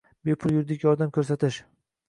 Bepul yuridik yordam ko'rsatish